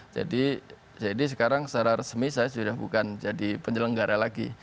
jadi sekarang secara resmi saya sudah bukan jadi penyelenggara lagi